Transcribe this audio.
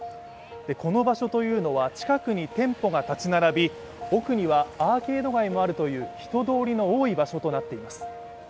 この場所というのは近くに店舗が建ち並び置くにはアーケード街もあるという人通りの多い場所となっています。